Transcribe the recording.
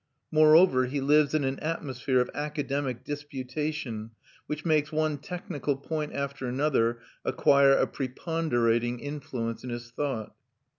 Moreover, he lives in an atmosphere of academic disputation which makes one technical point after another acquire a preponderating influence in his thoughts.